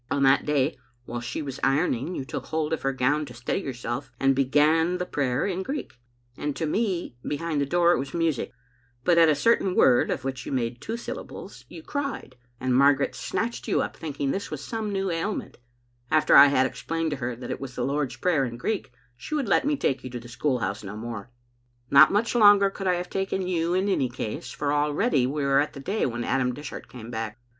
On that day, while she was ironing, you took hold of her gown to steady yourself, and began, < Tldrep ijfixov 6 iv Tor? oupavox^^ ' and to me, behind the door, it was music. But at dyiatFOijTta^ of which you made two syllables, you Digitized by VjOOQ IC Stori2 of tbe S)omfnie* 808 cried, and Margaret snatched you up, thinking this was some new ailment. After I had explained to her that it was the Lord's Prayer in Greek, she would let me take you to the school house no more. "Not much longer could I have taken you in any case, for already we are at the day when Adam Dishart came back.